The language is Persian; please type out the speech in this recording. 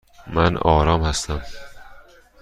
من آرام هستم.